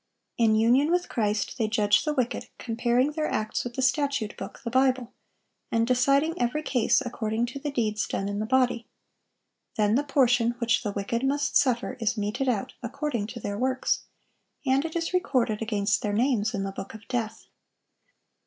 (1152) In union with Christ they judge the wicked, comparing their acts with the statute book, the Bible, and deciding every case according to the deeds done in the body. Then the portion which the wicked must suffer is meted out, according to their works; and it is recorded against their names in the book of death.